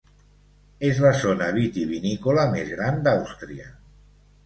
És la zona vitivinícola més gran d'Àustria.